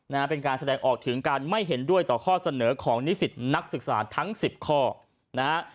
นะฮะเป็นการแสดงออกถึงการไม่เห็นด้วยต่อข้อเสนอของนิสิตนักศึกษาทั้งสิบข้อนะฮะ